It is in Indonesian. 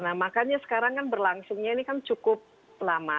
nah makanya sekarang kan berlangsungnya ini kan cukup lama